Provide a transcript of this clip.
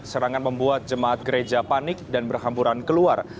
serangan membuat jemaat gereja panik dan berhamburan keluar